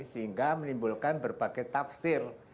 sehingga menimbulkan berbagai tafsir